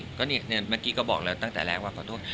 เมื่อกี้ก็บอกตั้งแต่แรกว่ากลักษ์